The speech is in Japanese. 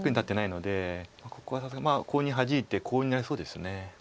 ここはコウにハジいてコウになりそうです。